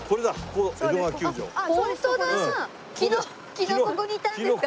昨日ここにいたんですか？